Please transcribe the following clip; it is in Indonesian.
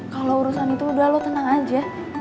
kalau urusan itu udah lo tenang aja